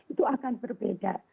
itu akan berbeda